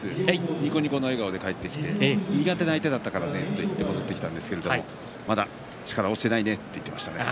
にこにこの笑顔で帰ってきて苦手な相手だったからねと戻ってきたんですけどまだ力は落ちていないねと言ってました。